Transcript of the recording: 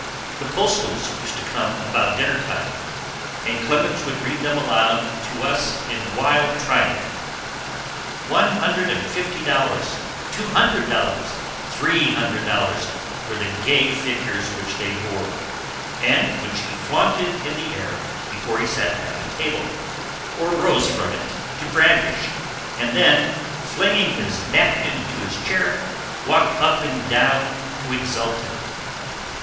The postals used to come about dinner time, and Clemens would read them aloud to us in wild triumph. One hundred and fifty dollars two hundred dollars three hundred dollars were the gay figures which they bore, and which he flaunted in the air before he sat down at table, or rose from it to brandish, and then, flinging his napkin into his chair, walked up and down to exult in.